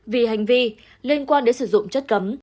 vì hành vi liên quan đến sử dụng chất cấm